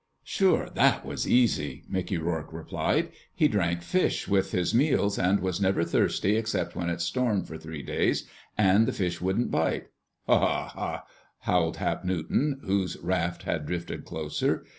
"Sure, that was easy!" Mickey Rourke replied. "He drank fish with his meals and was never thirsty except when it stormed for three days and the fish wouldn't bite—" "Haw, haw, haw!" howled Hap Newton, whose raft had drifted closer.